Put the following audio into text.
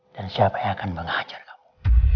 dan siapa yang akan menghajar kamu